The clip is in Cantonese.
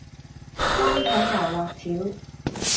蕃茄牛肋條